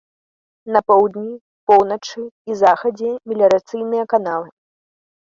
На поўдні, поўначы і захадзе меліярацыйныя каналы.